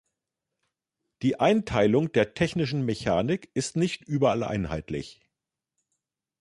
Die Einteilung der Technischen Mechanik ist nicht überall einheitlich.